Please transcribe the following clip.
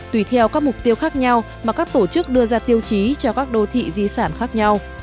tùy theo các mục tiêu khác nhau mà các tổ chức đưa ra tiêu chí cho các đô thị di sản khác nhau